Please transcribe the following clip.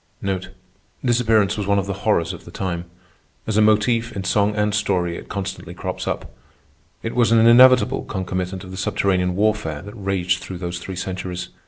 Disappearance was one of the horrors of the time. As a motif, in song and story, it constantly crops up. It was an inevitable concomitant of the subterranean warfare that raged through those three centuries.